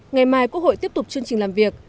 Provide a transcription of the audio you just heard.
ngày mai quốc hội tiếp tục chương trình làm việc